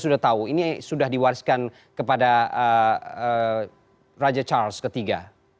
sudah tahu ini sudah diwariskan kepada raja charles iii